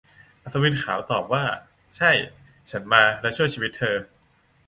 อัศวินขาวตอบว่า ใช่ ฉันมาและช่วยชีวิตเธอ